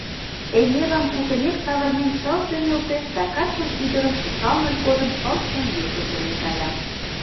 Эҥерлан кутынек савырнен, тылзе нӧлтеш да качын ӱдырым шупшалмыж годым пыл шеҥгеке пурен кая.